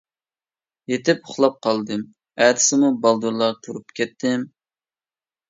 يېتىپ ئۇخلاپ قالدىم، ئەتىسىمۇ بالدۇرلا تۇرۇپ كەتتىم.